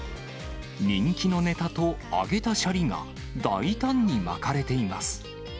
人気のネタと揚げたシャリが大胆に巻かれています。